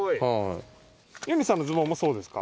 ゆにさんのズボンもそうですか？